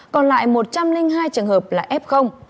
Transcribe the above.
còn lại một trăm linh hai trường hợp là f